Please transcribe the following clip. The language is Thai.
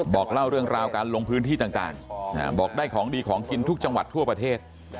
บอกเล่าเรื่องราวการลงพื้นที่ต่างบอกได้ของดีของกินทุกจังหวัดทั่วประเทศ